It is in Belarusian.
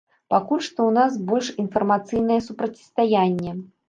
Пакуль што ў нас больш інфармацыйнае супрацьстаянне.